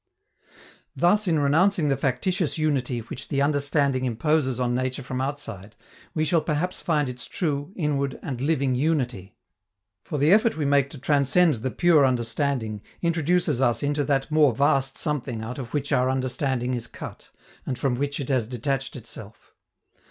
Thus, in renouncing the factitious unity which the understanding imposes on nature from outside, we shall perhaps find its true, inward and living unity. For the effort we make to transcend the pure understanding introduces us into that more vast something out of which our understanding is cut, and from which it has detached itself.